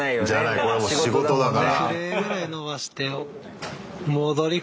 これもう仕事だから。